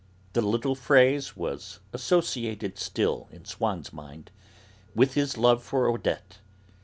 The little phrase was associated still, in Swann's mind, with his love for Odette.